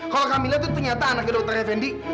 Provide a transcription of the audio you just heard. kalau kamila itu ternyata anaknya dokter refendi